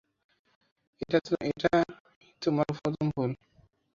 এটাই তোমার প্রথম ভুল।